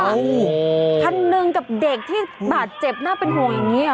โอ้โหคันหนึ่งกับเด็กที่บาดเจ็บน่าเป็นห่วงอย่างนี้หรอ